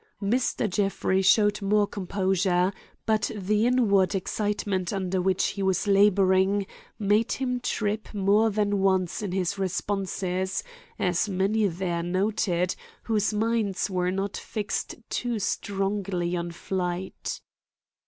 "Mr. Jeffrey showed more composure, but the inward excitement under which he was laboring made him trip more than once in his responses, as many there noted whose minds were not fixed too strongly on flight.